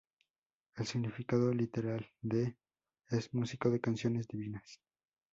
El significado literal de "神曲楽士" es "Músico de canciones divinas".